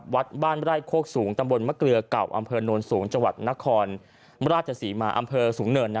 วัดบ้านไร่โคกสูงตำบลมะเกลือเก่าอำเภอโนนสูงจังหวัดนครราชศรีมาอำเภอสูงเนิน